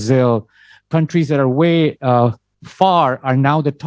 jika kita bergantian dengan keinginan